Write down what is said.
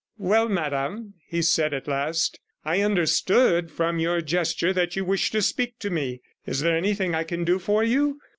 'Well, madam,' he said at last, 'I understood from your gesture that you wished to speak to me. Is there anything I can do for you?